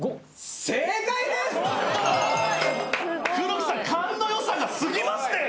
正解です！